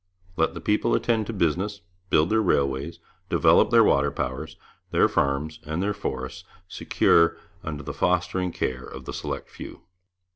Let the people attend to business, build their railways, develop their water powers, their farms, and their forests, secure under the fostering care of the select few.